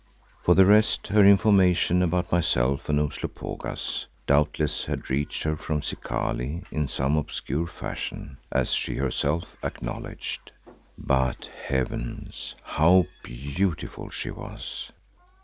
For the rest, her information about myself and Umslopogaas doubtless had reached her from Zikali in some obscure fashion, as she herself acknowledged. But heavens! how beautiful she was!